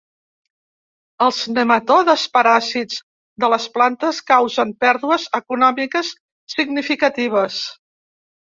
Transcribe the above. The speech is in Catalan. Els nematodes paràsits de les plantes causen pèrdues econòmiques significatives.